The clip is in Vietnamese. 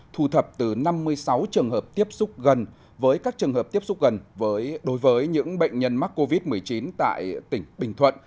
thu thập từ năm mươi sáu trường hợp tiếp xúc gần với các trường hợp tiếp xúc gần đối với những bệnh nhân mắc covid một mươi chín tại tỉnh bình thuận